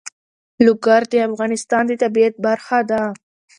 لوگر د افغانستان د طبیعت برخه ده.